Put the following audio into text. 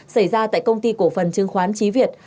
xảy ra tại công ty cổ phần chứng khoán trí việt